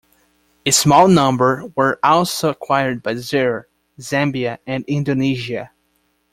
A small number were also acquired by Zaire, Zambia and Indonesia.